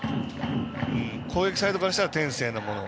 攻撃サイドからしたら天性のもの